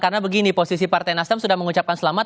karena begini posisi partai nasdem sudah mengucapkan selamat